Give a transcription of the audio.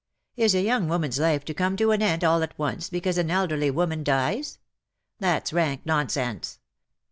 Is a young woman's life to come to an end all at once because an elderly woman dies ? That's rank nonsense.